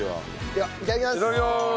ではいただきます。